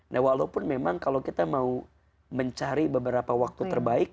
nah walaupun memang kalau kita mau mencari beberapa waktu terbaik